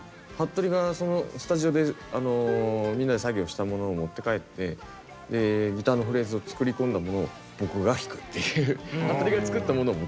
とりがそのスタジオでみんなで作業したものを持って帰ってでギターのフレーズを作り込んだものを僕が弾くっていう。